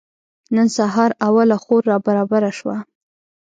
نن سهار اوله خور رابره شوه.